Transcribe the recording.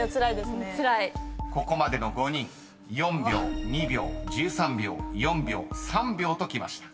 ［ここまでの５人４秒２秒１３秒４秒３秒ときました］